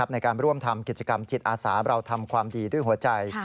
ในการร่วมทำกิจกรรมจิตอาสาเราทำความดีด้วยหัวใจ